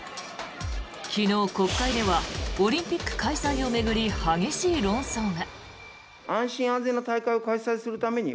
昨日、国会ではオリンピック開催を巡り激しい論争が。